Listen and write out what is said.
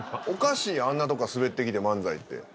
おかしいやんあんなとこから滑ってきて漫才って。